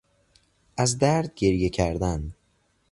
از درد گریه کردن